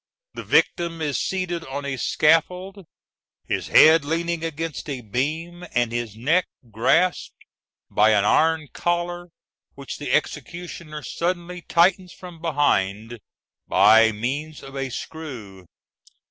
The victim is seated on a scaffold, his head leaning against a beam and his neck grasped by an iron collar, which the executioner suddenly tightens from behind by means of a screw.